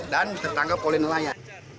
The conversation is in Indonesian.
dan tertangkap oleh nelayan